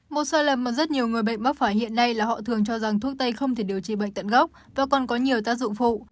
một sai lầm mà rất nhiều người bệnh mắc phải hiện nay là họ thường cho rằng thuốc tây không thể điều trị bệnh tận gốc và còn có nhiều tác dụng phụ